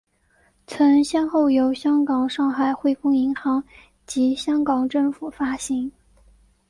曾先后由香港上海汇丰银行及香港政府发行。